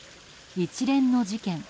一連の事件